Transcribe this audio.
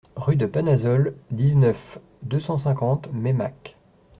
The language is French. Rue de Panazol, dix-neuf, deux cent cinquante Meymac